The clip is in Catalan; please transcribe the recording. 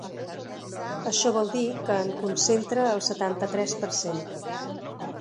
Això vol dir que en concentra el setanta-tres per cent.